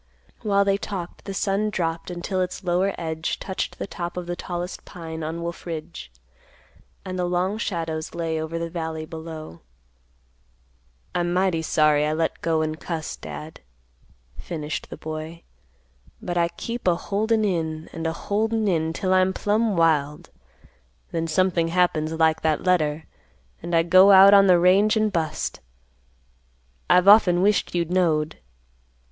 While they talked, the sun dropped until its lower edge touched the top of the tallest pine on Wolf Ridge, and the long shadows lay over the valley below. "I'm mighty sorry I let go and cuss, Dad," finished, the boy. "But I keep a holdin' in, and a holdin' in, 'til I'm plumb wild; then something happens like that letter, and I go out on the range and bust. I've often wished you knowed.